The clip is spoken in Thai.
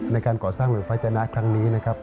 ในการก่อสร้างเมืองฟ้าจนะครั้งนี้นะครับ